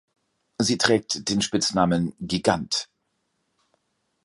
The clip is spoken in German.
Sie trägt den Spitznamen „Gigant“.